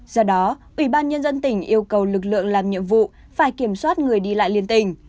do đó ubnd tỉnh yêu cầu lực lượng làm nhiệm vụ phải kiểm soát người đi lại liên tỉnh